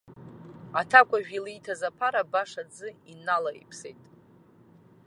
Аҭакәажә илиҭаз аԥара баша аӡы иналаиԥсеит.